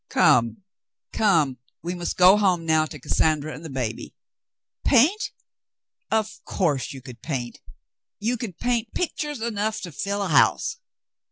"Come, come. We must go home now to Cassandra and the baby. Paint ? Of — of course you could paint ! You could paint p — pictures enough to fill a house."